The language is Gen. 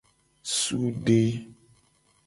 Sude.